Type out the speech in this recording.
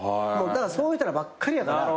そういう人らばっかりやから。